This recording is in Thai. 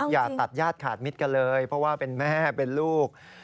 อย่าตัดญาติขาดมิตรกันเลยเพราะว่าเป็นแม่เป็นลูก